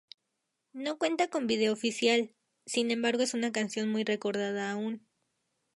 No cuenta con video oficial, sin embargo es una canción muy recordada aún.